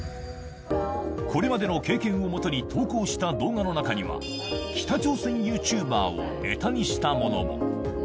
これまでの経験を基に投稿した動画の中には、北朝鮮ユーチューバーをねたにしたものも。